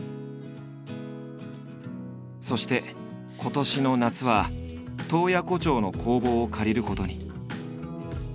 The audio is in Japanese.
そして今年の夏は洞爺湖町の工房を借りることに。